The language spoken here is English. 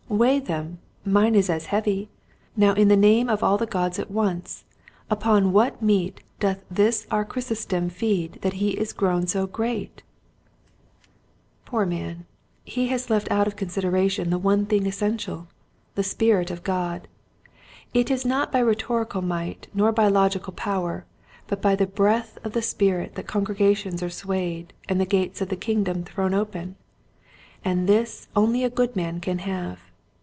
Weigh them, mine is as heavy. Now in the name of all the gods at once upon what meat doth this our Chrysostom feed that he is grown so great !" Poor 214 Quiet Hints to Growing Preachers. man, he has left out of consideration the one thing essential — the spirit of God. It is not by rhetorical might nor by logical power but by the breath of the Spirit that congregations are swayed and the gates of the kingdom thrown open. And this only a good man can have.